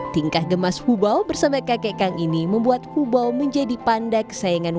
tingkah gemas hubal bersama kakek kang ini membuat kubau menjadi panda kesayangan